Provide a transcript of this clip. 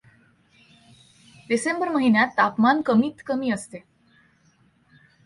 डिसेंबर महिन्यात तापमान कमीतकमी असते.